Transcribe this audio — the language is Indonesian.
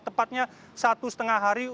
tepatnya satu setengah hari